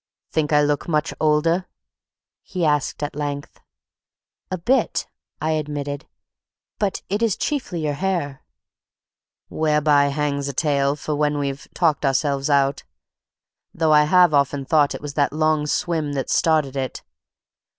"Think I look much older?" he asked at length. "A bit," I admitted. "But it is chiefly your hair." "Whereby hangs a tale for when we've talked ourselves out, though I have often thought it was that long swim that started it.